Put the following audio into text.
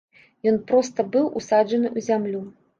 Ён проста быў усаджаны ў зямлю.